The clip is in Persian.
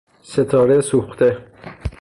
ستاره سوخته